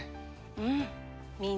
うん。